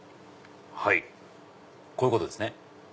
はいこういうことですね。